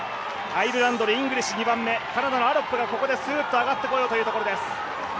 アイルランドでイングリッシュ２番目カナダのアロップがここですーっと上がってこようとするところです。